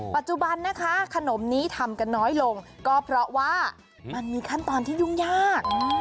ปัจจุบันนะคะขนมนี้ทำกันน้อยลงก็เพราะว่ามันมีขั้นตอนที่ยุ่งยาก